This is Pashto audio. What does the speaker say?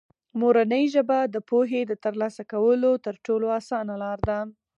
مورنۍ ژبه د پوهې د ترلاسه کولو تر ټولو اسانه لاره ده.